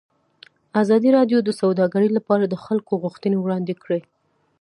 ازادي راډیو د سوداګري لپاره د خلکو غوښتنې وړاندې کړي.